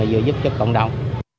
vừa giúp cho cộng đồng